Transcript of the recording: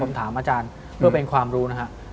ผมถามอาจารย์เพื่อเป็นความรู้นะครับ